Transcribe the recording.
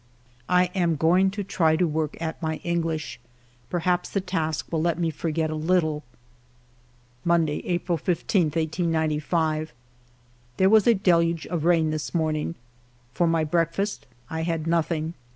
... I am going to try to work at my English. Per haps the task will help me to forget a little. Monday J April 15, 1895. There was a deluge of rain this morning. For my breakfast I had nothing.